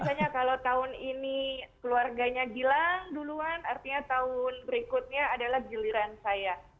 biasanya kalau tahun ini keluarganya gilang duluan artinya tahun berikutnya adalah giliran saya